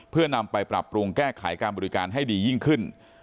เพื่อนำไปปรับปรุงแก้ไขการบริการให้ดียิ่งขึ้น